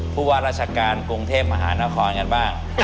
ผู้ว่าราชการกรุงเทพมหานครกันบ้าง